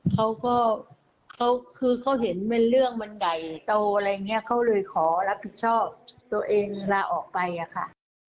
เขาก็คือเขาเห็นเป็นเรื่องมันใหญ่โตอะไรอย่างนี้เขาเลยขอรับผิดชอบตัวเองลาออกไปอะค่ะ